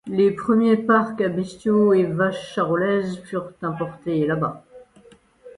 Les premiers parcs à bestiaux et vaches charolaises furent importés là-bas.